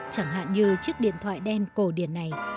chẳng hạn như chiếc điện thoại đen cổ điện